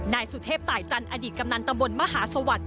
นายสุเทพตายจันทร์อดีตกำนันตำบลมหาสวัสดิ